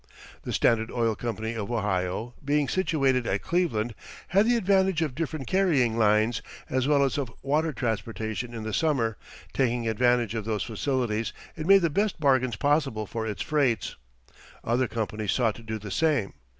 The Standard Oil Company of Ohio, being situated at Cleveland, had the advantage of different carrying lines, as well as of water transportation in the summer; taking advantage of those facilities, it made the best bargains possible for its freights. Other companies sought to do the same.